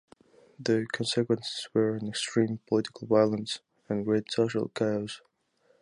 The consequences were an extreme political violence and great social chaos.